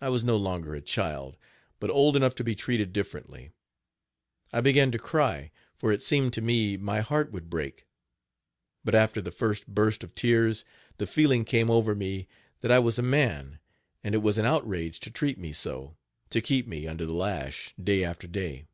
I was no longer a child, but old enough to be treated differently. I began to cry, for it seemed to me my heart would break. But, after the first burst of tears, the feeling came over me that I was a man, and it was an outrage to treat me so to keep me under the lash day after day.